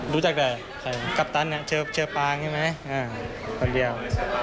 รู้จักแต่กัปตันเชอปางใช่ไหมคนเดียว